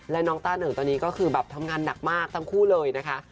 และน้องต้าเหนิงตอนนี้ก็คือแบบทำงานหนักมากทั้งคู่เลยนะคะ